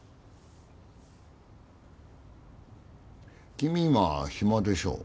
君今暇でしょ？